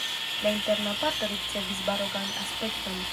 La interna parto ricevis barokan aspekton.